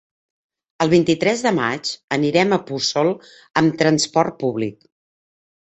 El vint-i-tres de maig anirem a Puçol amb transport públic.